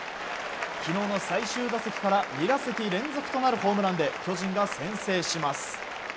昨日の最終打席から２打席連続となるホームランで巨人が先制します。